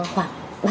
không có pháp